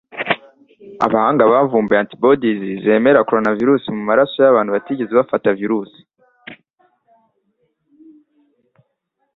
Abahanga bavumbuye antibodies zemera koronavirusi mu maraso yabantu batigeze bafata virusi.